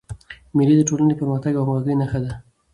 مېلې د ټولني د پرمختګ او همږغۍ نخښه ده.